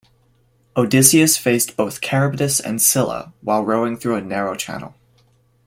Odysseus faced both Charybdis and Scylla while rowing through a narrow channel.